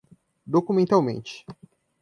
documentalmente